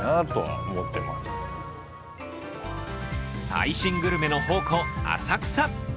最新グルメの宝庫・浅草。